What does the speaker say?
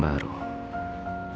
saya harus memuka lembaran baru